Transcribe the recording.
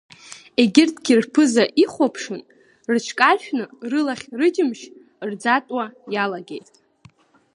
Егьырҭгьы рԥыза ихәаԥшын, рыҽкаршәны рылахь-рыџьымшь рӡатәуа иалагеит.